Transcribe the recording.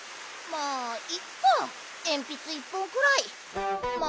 まあいっかえんぴつ１ぽんくらい。